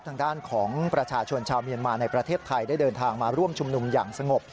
ทางด้านของประชาชนชาวเมียนมาในประเทศไทยได้เดินทางมาร่วมชุมนุมอย่างสงบ